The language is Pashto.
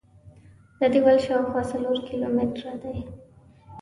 دا دیوال شاوخوا څلور کیلومتره دی.